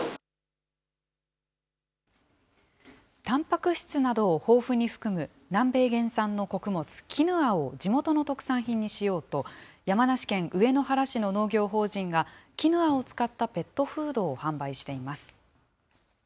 たんぱく質などを豊富に含む、南米原産の穀物、キヌアを地元の特産品にしようと、山梨県上野原市の農業法人がキヌアを使ったペットフードを販売しています。